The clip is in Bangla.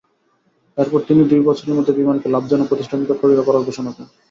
এরপর তিনি দুই বছরের মধ্যে বিমানকে লাভজনক প্রতিষ্ঠানে পরিণত করার ঘোষণা দেন।